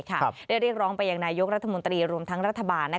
ได้เรียกร้องไปยังนายกรัฐมนตรีรวมทั้งรัฐบาล